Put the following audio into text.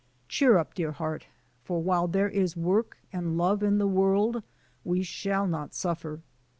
Cheer up, dear heart, for while there is work and love in the world we shall not suffer."